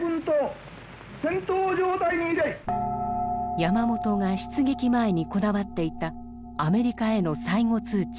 山本が出撃前にこだわっていたアメリカへの最後通牒。